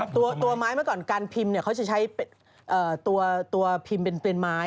ตัวไม้เมื่อก่อนการพิมพ์เขาจะใช้ตัวพิมพ์เป็นไม้